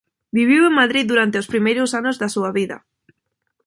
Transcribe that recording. Viviu en Madrid durante os primeiros anos da súa vida.